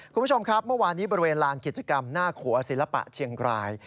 คุณผู้ชมครับเมื่อวานนี้บริเวณลานกิจกรรมหน้าขัวศิลปะเชียงราย